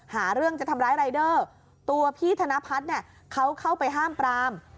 หาเรื่องจะทำร้ายรายเดอร์ตัวพี่ธนพัฒน์เนี่ยเขาเข้าไปห้ามปราม